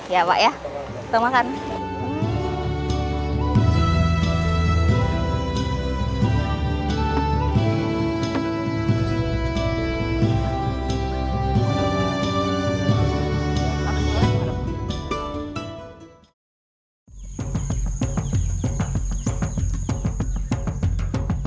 ya pak ya kita makan